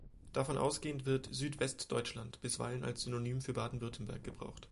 Davon ausgehend wird "Südwestdeutschland" bisweilen als Synonym für Baden-Württemberg gebraucht.